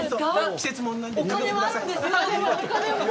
季節ものなので。